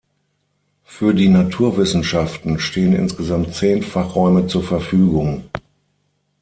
Für die Naturwissenschaften stehen insgesamt zehn Fachräume zur Verfügung.